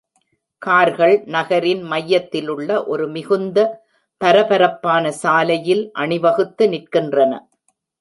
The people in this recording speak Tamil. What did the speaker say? கார்கள் நகரின் மையத்திலுள்ள ஒரு மிகுந்த பரபரப்பான சாலையில் அணிவகுத்து நிற்கின்றன.